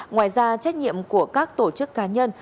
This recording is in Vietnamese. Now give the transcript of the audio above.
ngoài ra trách nhiệm của các tổ chức cá nhân